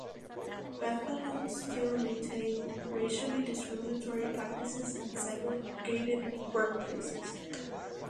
Bethlehem Steel maintained racially discriminatory practices and segregated workplaces.